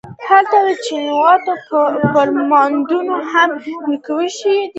هلته د چینوت پر موندنو هم نیوکه شوې ده.